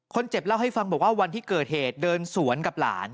เจ็บเล่าให้ฟังบอกว่าวันที่เกิดเหตุเดินสวนกับหลาน